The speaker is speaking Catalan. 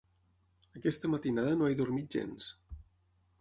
Aquesta matinada no he dormit gens.